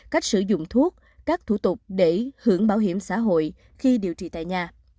cách sử dụng thuốc các thủ tục để hưởng bảo hiểm xã hội khi điều trị tại nhà